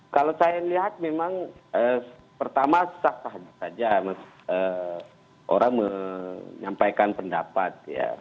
kalau saya lihat memang pertama sah sah saja mas orang menyampaikan pendapat